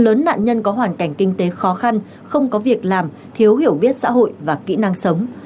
lớn nạn nhân có hoàn cảnh kinh tế khó khăn không có việc làm thiếu hiểu biết xã hội và kỹ năng sống